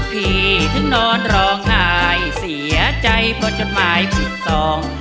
ถึงนอนร้องไห้เสียใจพอจดหมายผิดตอง